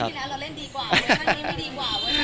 ถ้าไฟล์เวอร์ชันที่แล้วเราเล่นดีกว่าร์